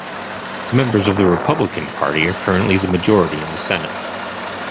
Members of the Republican Party are currently the majority in the Senate.